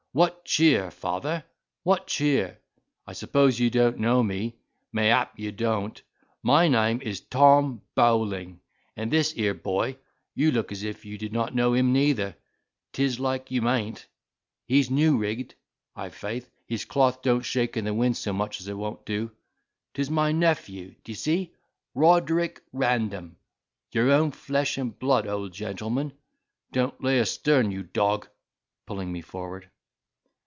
What cheer, father? what cheer? I suppose you don't know me—mayhap you don't. My name is Tom Bowling, and this here boy, you look as if you did not know him neither; 'tis like you mayn't. He's new rigged, i'faith; his cloth don't shake in the wind so much as it wont to do. 'Tis my nephew, d'y see, Roderick Random—your own flesh and blood, old gentleman. Don't lay a stern, you dog," pulling me forward.